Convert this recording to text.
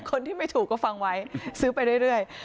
คนที่ไม่ถูกก็ฟังไว้ซื้อไปเรื่อย